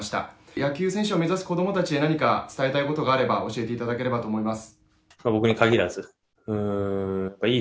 野球選手を目指す子供たちへ何か伝えたいことがあれば教えていただければと思います。